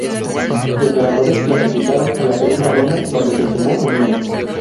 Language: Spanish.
Los ganadores clasificaron a la segunda ronda, donde se sumó Unión.